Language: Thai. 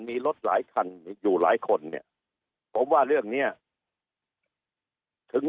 มีรถหลายคันอยู่หลายคนเนี่ยผมว่าเรื่องนี้ถึง